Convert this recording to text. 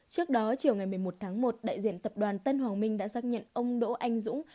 trước đó chiều ngày một mươi một tháng một đại diện tập đoàn tân hoàng minh đã xác nhận ông đỗ anh dũng